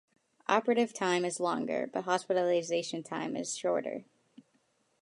Operative time is longer, but hospitalization time is shorter.